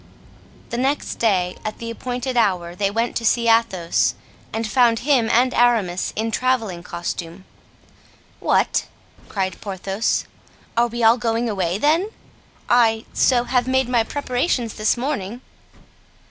The next day at the appointed hour they went to see Athos and found him and Aramis in traveling costume. "What!" cried Porthos, "are we all going away, then? I also have made my preparations this morning."